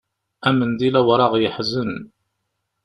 Amendil awraɣ yeḥzen.